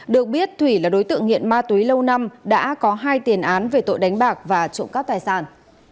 được biết thủy là đối tượng nghiện ma túy lâu năm đã có hai tiền án về tội đánh bạc và trộm cắp tài sản